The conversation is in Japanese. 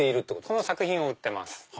この作品を売ってます。